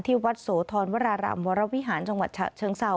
วัดโสธรวรารามวรวิหารจังหวัดฉะเชิงเศร้า